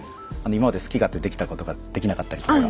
今まで好き勝手できたことができなかったりとか。